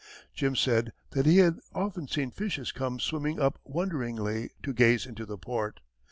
Jim said that he had often seen fishes come swimming up wonderingly to gaze into the port.